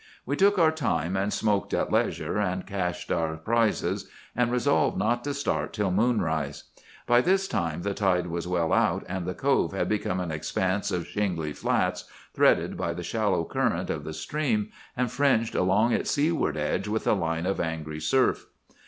We took our time, and smoked at leisure, and cached our prizes, and resolved not to start till moonrise. By this time the tide was well out, and the cove had become an expanse of shingly flats, threaded by the shallow current of the stream, and fringed along its seaward edge with a line of angry surf.